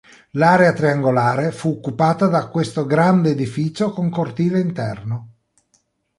L'area triangolare fu occupata da questo grande edificio con cortile interno.